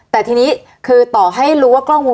แต่ทีนี้คือต่อให้รู้ว่ากล้องวง